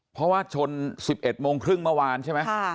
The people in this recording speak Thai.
เพราะว่าชน๑๑โมงครึ่งเมื่อวานใช่ไหม